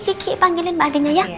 kiki panggilin mbak andiennya ya